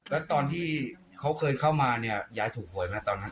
แล้วตอนที่เขาเคยเข้ามาเนี่ยยายถูกหวยไหมตอนนั้น